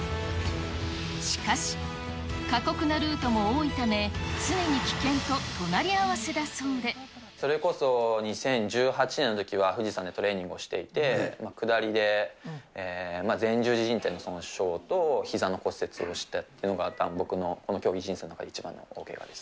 しかし、過酷なルートも多いため、それこそ、２０１８年のときは富士山でトレーニングをしていて、下りで、前十字靭帯の損傷と、ひざの骨折をしたっていうのが、僕の競技人生の中で一番の大けがです。